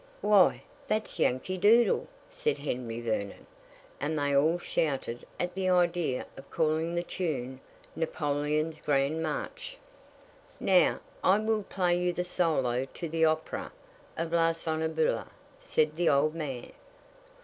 "Why, that's 'Yankee Doodle,'" said Henry Vernon; and they all shouted at the idea of calling that tune "Napoleon's Grand March." "Now I will play you the solo to the opera of 'La Sonnambula,'" said the old man.